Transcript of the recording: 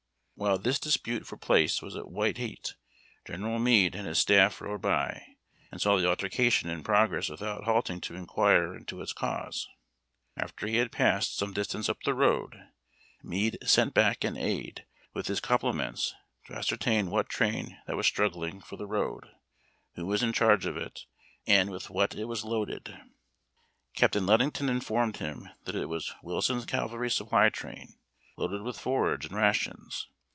While this dispute for place was at white heat. General Meade and his staff rode by, and saw the altercation in progress without halting to inquire into its cause. After he had passed some distance up the road, Meade sent back an aid, with his com pliments, to ascertain what train that was struggling for the road, who was in charge of it, and with Mdiat it was loaded. Captain Ludington informed him that it was Wilson's cav alry supply train, loaded with forage and rations.